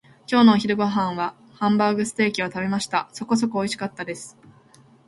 今日のお昼ご飯はハンバーグステーキを食べました。そこそこにおいしかったです。